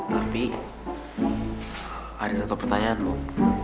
tapi ada satu pertanyaan loh